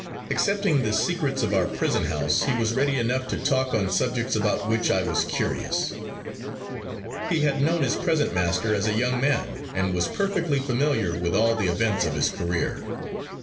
Excepting the secrets of our prison house, he was ready enough to talk on subjects about which I was curious. He had known his present master as a young man, and was perfectly familiar with all the events of his career.